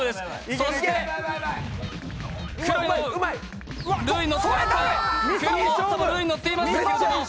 そして黒のルーイに乗っています。